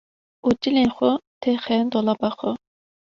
û cilên xwe têxe dolaba xwe.